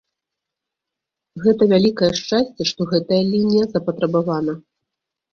Гэта вялікае шчасце, што гэтая лінія запатрабавана.